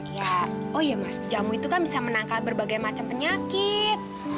ya oh iya mas jamu itu kan bisa menangkal berbagai macam penyakit